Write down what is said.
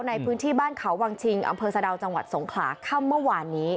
ในพื้นที่บ้านเขาวังชิงอำเภอสะดาวจังหวัดสงขลาค่ำเมื่อวานนี้